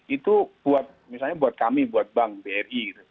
itu misalnya buat kami buat bank bri